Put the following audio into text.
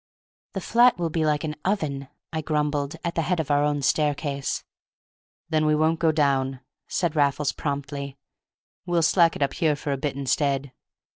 "The flat will be like an oven," I grumbled, at the head of our own staircase. "Then we won't go down," said Raffles, promptly; "we'll slack it up here for a bit instead.